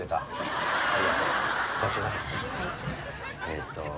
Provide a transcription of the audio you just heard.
えっと